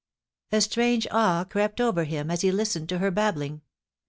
.' A strange awe crept over him as he listened to her babbling.